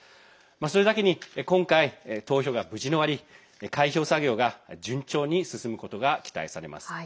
それだけに今回投票が無事に終わり開票作業が順調に進むことが期待されます。